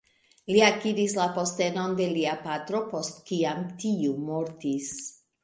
Li akiris la postenon de lia patro post kiam tiu mortis.